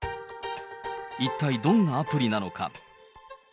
一体どんなアプリなのか。